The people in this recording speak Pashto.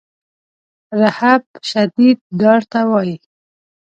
رهب شدید ډار ته وایي.